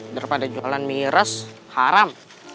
daripada jualan miras haram